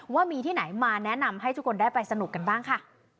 ว่ามีที่ไหนมาแนะนำให้ทุกคนได้ไปสนุกกันบ้างค่ะ